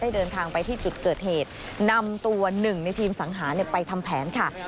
เดินทางไปที่จุดเกิดเหตุนำตัวหนึ่งในทีมสังหารไปทำแผนค่ะ